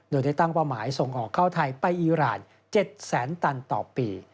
โดยได้ตั้งเป้าหมายส่งออกเข้าไทยไปอีราน๗แสนตันต่อปี